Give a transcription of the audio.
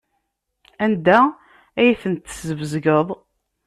Anda ay ten-tesbezgeḍ?